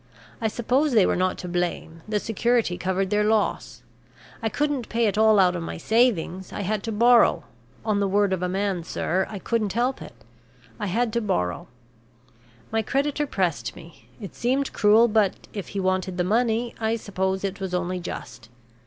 I suppose they were not to blame; the security covered their loss. I couldn't pay it all out of my savings; I had to borrow on the word of a man, sir, I couldn't help it I had to borrow. My creditor pressed me; it seemed cruel, but, if he wanted the money, I suppose it was only just.